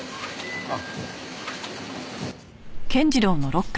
あっ。